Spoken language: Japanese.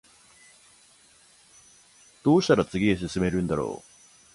どうしたら次へ進めるんだろう